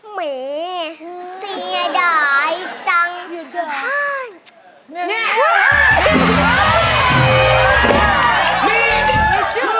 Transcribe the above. เหมือนเสียดายจัง